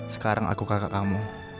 sekarang aku kakak kamu